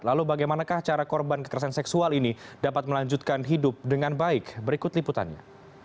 lalu bagaimanakah cara korban kekerasan seksual ini dapat melanjutkan hidup dengan baik berikut liputannya